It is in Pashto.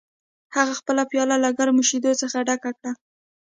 هغه خپله پیاله له ګرمو شیدو څخه ډکه کړه